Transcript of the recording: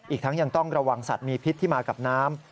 อีกทั้งยังต้องระวังสัตว์มีพิษที่มากับน้ำ